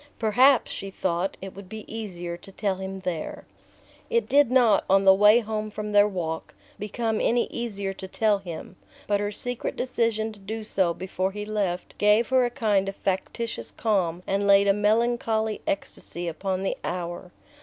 "Perhaps," she thought, "it will be easier to tell him there." It did not, on the way home from their walk, become any easier to tell him; but her secret decision to do so before he left gave her a kind of factitious calm and laid a melancholy ecstasy upon the hour.